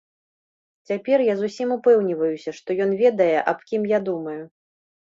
Цяпер я зусім упэўніваюся, што ён ведае, аб кім я думаю.